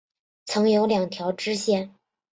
曾有两条支线。